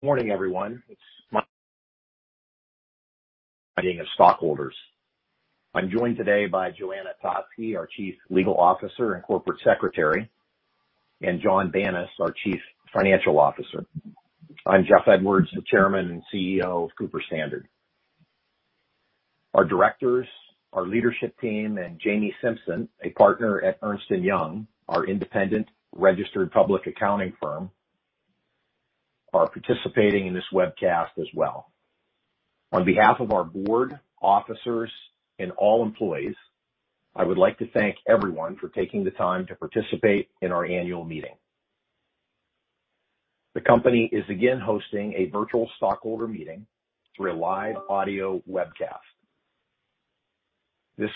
Morning, everyone. It's my stockholders. I'm joined today by Joanna Totsky, our Chief Legal Officer and Corporate Secretary, and Jon Banas, our Chief Financial Officer. I'm Jeff Edwards, the Chairman and CEO of Cooper-Standard. Our directors, our leadership team, and Jamie Simpson, a Partner at Ernst & Young, our independent registered public accounting firm, are participating in this webcast as well. On behalf of our board, officers, and all employees, I would like to thank everyone for taking the time to participate in our annual meeting. The company is again hosting a virtual stockholder meeting through a live audio webcast. This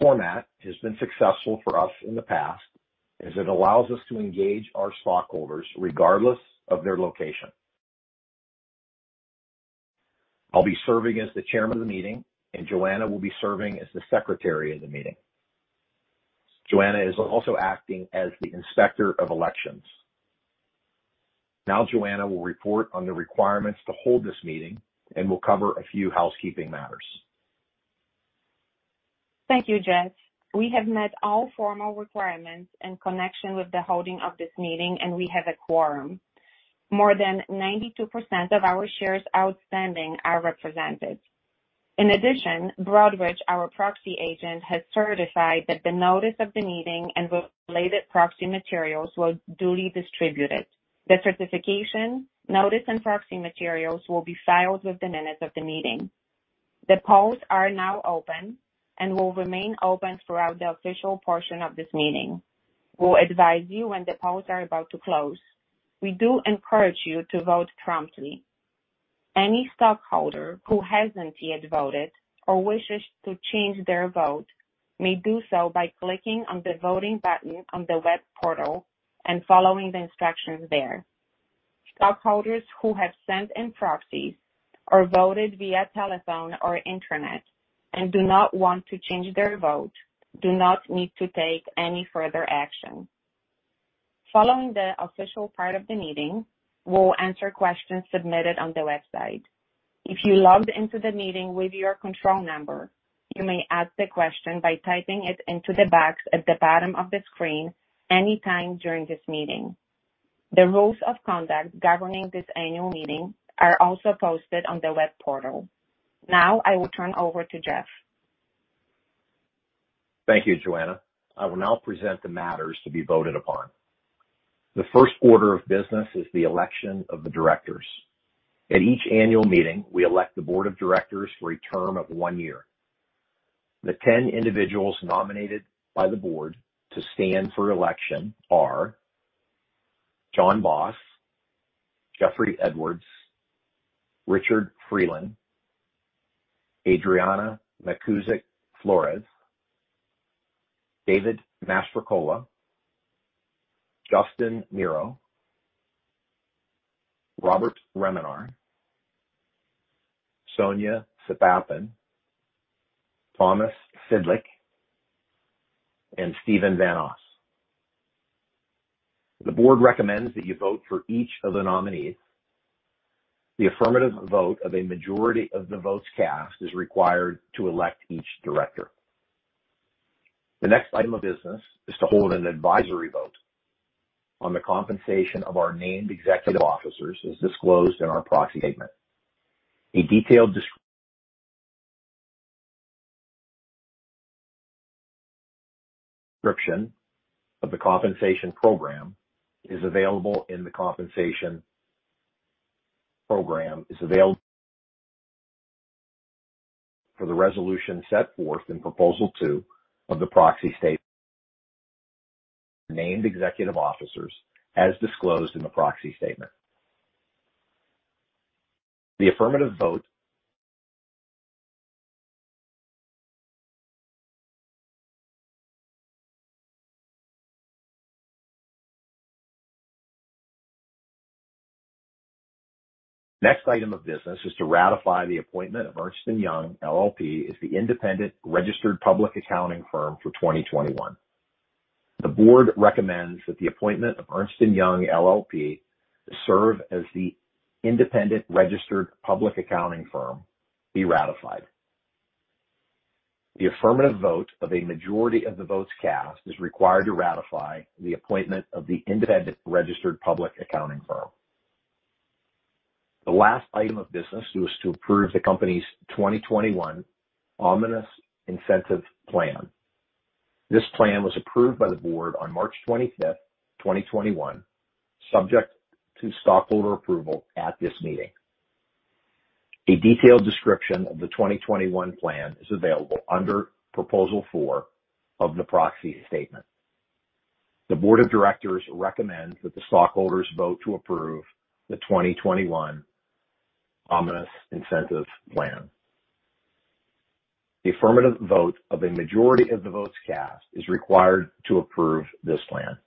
format has been successful for us in the past, as it allows us to engage our stockholders regardless of their location. I'll be serving as the chairman of the meeting, and Joanna will be serving as the secretary of the meeting. Joanna is also acting as the Inspector of Elections. Now Joanna will report on the requirements to hold this meeting and will cover a few housekeeping matters. Thank you, Jeff. We have met all formal requirements in connection with the holding of this meeting, and we have a quorum. More than 92% of our shares outstanding are represented. In addition, Broadridge, our proxy agent, has certified that the notice of the meeting and related proxy materials was duly distributed. The certification, notice, and proxy materials will be filed with the minutes of the meeting. The polls are now open and will remain open throughout the official portion of this meeting. We'll advise you when the polls are about to close. We do encourage you to vote promptly. Any stockholder who hasn't yet voted or wishes to change their vote may do so by clicking on the voting button on the web portal and following the instructions there. Stockholders who have sent in proxies or voted via telephone or internet and do not want to change their vote do not need to take any further action. Following the official part of the meeting, we will answer questions submitted on the website. If you logged into the meeting with your control number, you may ask a question by typing it into the box at the bottom of the screen anytime during this meeting. The rules of conduct governing this annual meeting are also posted on the web portal. Now I will turn it over to Jeff. Thank you, Joanna. I will now present the matters to be voted upon. The first order of business is the election of the directors. At each annual meeting, we elect the board of directors for a term of one year. The 10 individuals nominated by the board to stand for election are John Boss, Jeffrey Edwards, Richard Freeland, Adriana Macouzet-Flores, David Mastrocola, Justin Mirro, Robert Remenar, Sonya Sepahban, Thomas Sidlik, and Stephen Van Oss. The board recommends that you vote for each of the nominees. The affirmative vote of a majority of the votes cast is required to elect each director. The next item of business is to hold an advisory vote on the compensation of our named executive officers, as disclosed in our proxy statement. A detailed description of the compensation program is available in the compensation program for the resolution set forth in Proposal 2 of the proxy statement named executive officers as disclosed in the proxy statement. The affirmative vote. Next item of business is to ratify the appointment of Ernst & Young LLP as the independent registered public accounting firm for 2021. The board recommends that the appointment of Ernst & Young LLP to serve as the independent registered public accounting firm be ratified. The affirmative vote of a majority of the votes cast is required to ratify the appointment of the independent registered public accounting firm. The last item of business is to approve the company's 2021 Omnibus Incentive Plan. This plan was approved by the board on March 25th, 2021, subject to stockholder approval at this meeting. A detailed description of the 2021 plan is available under Proposal 4 of the proxy statement. The board of directors recommends that the stockholders vote to approve the 2021 Omnibus Incentive Plan. The affirmative vote of a majority of the votes cast is required to approve this plan.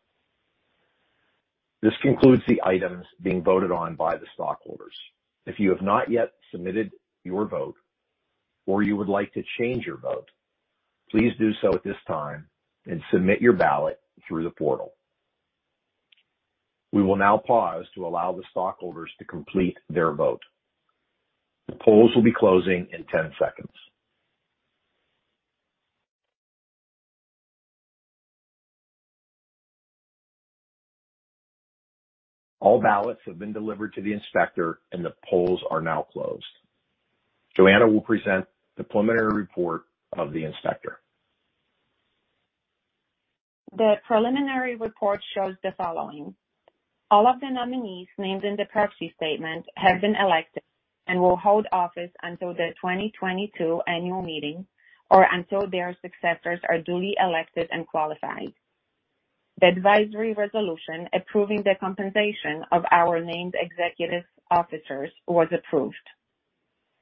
This concludes the items being voted on by the stockholders. If you have not yet submitted your vote or you would like to change your vote, please do so at this time and submit your ballot through the portal. We will now pause to allow the stockholders to complete their vote. The polls will be closing in 10 seconds. All ballots have been delivered to the inspector, and the polls are now closed. Joanna will present the preliminary report of the inspector. The preliminary report shows the following. All of the nominees named in the proxy statement have been elected and will hold office until the 2022 annual meeting or until their successors are duly elected and qualified. The advisory resolution approving the compensation of our named executive officers was approved.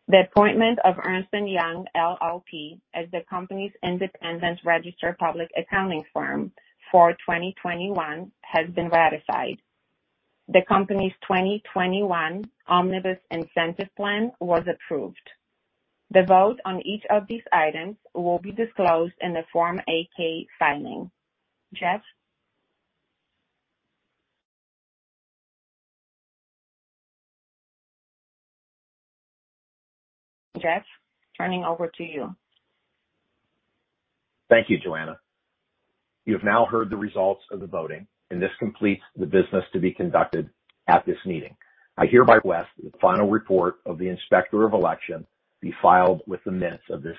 The appointment of Ernst & Young LLP as the company's independent registered public accounting firm for 2021 has been ratified. The company's 2021 Omnibus Incentive Plan was approved. The vote on each of these items will be disclosed in the Form 8-K filing. Jeff? Jeff, turning over to you. Thank you, Joanna. You have now heard the results of the voting, and this completes the business to be conducted at this meeting. I hereby request that the final report of the Inspector of Elections be filed with the minutes of this meeting.